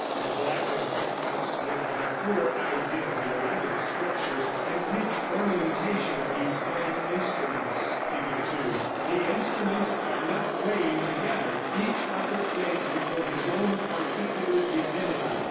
The black and white cuts give but a poor idea of the elaborate structure and rich ornamentation of these fine instruments (Fig. 2). The instruments are not playing together; each harper plays before his own particular divinity.